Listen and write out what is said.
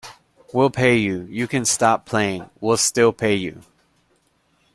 We'll pay you, you can stop playing, we'll still pay you!